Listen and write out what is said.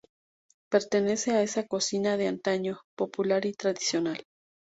Pertenece a esa cocina de antaño, popular y tradicional.